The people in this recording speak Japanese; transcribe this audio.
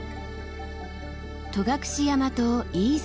戸隠山と飯縄